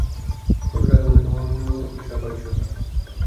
কত টাকা হলে তোমার মনের মতো পোশাক হয় শুনি।